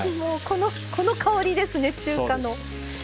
この香りですね、中華の。